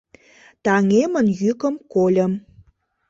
Таҥемын йӱкым кольым.